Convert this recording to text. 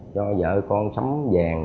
cho vợ con sắm vàng